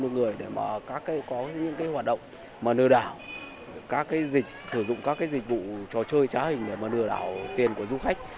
một người để mà có những cái hoạt động mà nửa đảo các cái dịch sử dụng các cái dịch vụ trò chơi trá hình để mà nửa đảo tiền của du khách